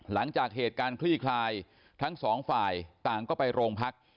หลังจากเหตุการณ์คลี่คลายทั้งสองฝ่ายต่างก็ไปโรงพัก